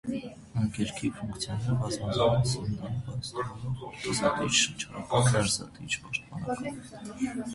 Ընկերքի ֆունկցիաները բազմազան են. սննդային, պահեստավորող, արտազատիչ, շնչառական, ներզատիչ, պաշտպանական։